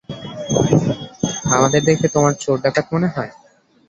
আমাদের দেখে কী তোমার চোর, ডাকাত মনে হয়।